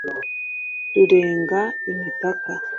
rurenga imipaka